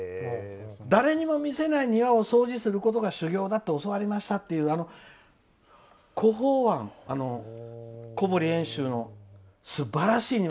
誰にも見せない庭を掃除することが修行だと教わりましたという孤篷庵、小堀遠州のすばらしい庭。